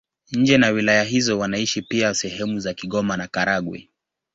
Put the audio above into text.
Nje na wilaya hizo wanaishi pia sehemu za Kigoma na Karagwe.